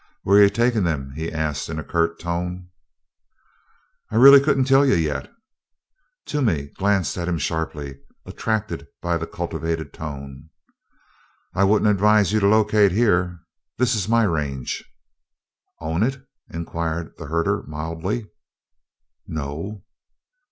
"Where you taking them?" he asked in a curt tone. "I really couldn't tell you yet." Toomey glanced at him sharply, attracted by the cultivated tone. "I wouldn't advise you to locate here; this is my range." "Own it?" inquired the herder mildly. "N no."